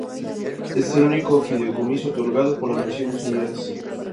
Este es el único fideicomiso otorgado por las Naciones Unidas.